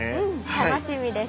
楽しみですね。